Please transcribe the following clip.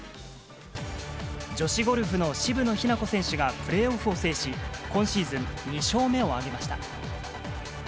女子ゴルフの渋野日向子選手がプレーオフを制し、今シーズン２勝目を挙げました。